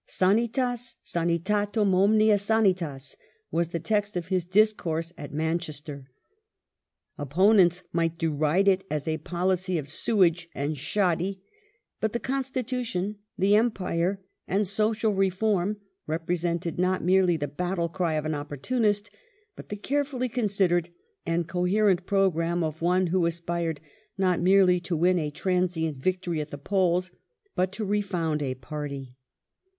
" Sanitas sanitatum omnia Sanitas," was the text of his discourse at Manchester. Opponents might deride it as a policy of sewage and shoddy, but " the Constitution, the Empire and Social Reform " represented not merely the battle cry of an opportunist, but the carefully con sidered and coherent programme of one who aspired not merely to win a transient victory at the polls, but to refound a party.